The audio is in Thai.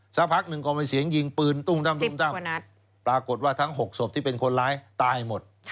สักพักหนึ่งก็มีเสียงยิงปืนตุ้มตั้มปรากฏว่าทั้ง๖ศพที่เป็นคนร้ายตายหมด